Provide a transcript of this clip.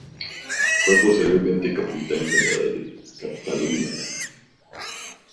Fue posteriormente Capitán General de Cataluña.